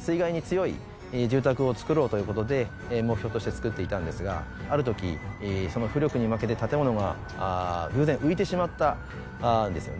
水害に強い住宅を作ろうということで目標として作っていたんですがある時その浮力に負けて建物が偶然浮いてしまったんですよね